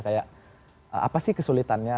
kayak apa sih kesulitannya